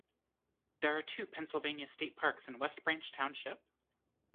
There are two Pennsylvania state parks in West Branch Township.